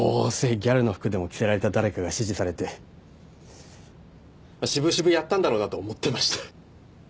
ギャルの服でも着せられた誰かが指示されて渋々やったんだろうなと思ってました。